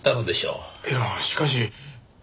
いやしかし。